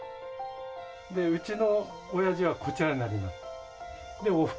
うちのおやじはこちらになります。